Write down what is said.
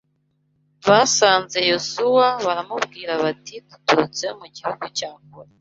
basanze Yosuwa baramubwira bati duturutse mu gihugu cya kure